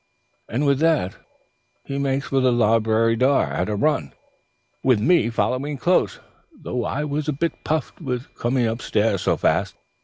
"And with that he makes for the library door, at a run, with me following him close, though I was a bit puffed with coming upstairs so fast.